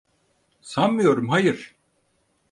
Sanmıyorum, hayır.